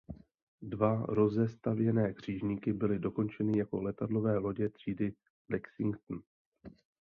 Dva rozestavěné křižníky byly dokončeny jako letadlové lodě třídy "Lexington".